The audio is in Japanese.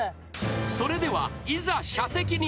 ［それではいざ射的に挑戦］